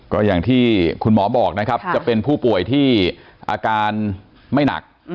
ก็อย่างที่คุณหมอบอกนะครับจะเป็นผู้ป่วยที่อาการไม่หนัก